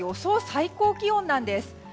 最高気温なんです。